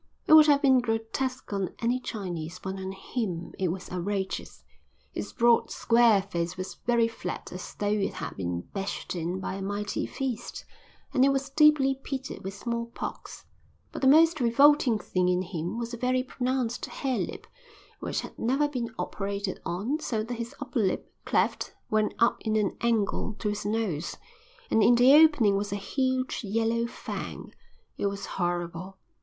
It would have been grotesque on any Chinese, but on him it was outrageous. His broad, square face was very flat as though it had been bashed in by a mighty fist, and it was deeply pitted with smallpox; but the most revolting thing in him was a very pronounced harelip which had never been operated on, so that his upper lip, cleft, went up in an angle to his nose, and in the opening was a huge yellow fang. It was horrible.